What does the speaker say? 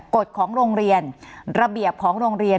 กฎของโรงเรียนระเบียบของโรงเรียน